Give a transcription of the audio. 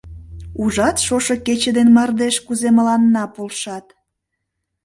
Ужат, шошо кече ден мардеж кузе мыланна полшат.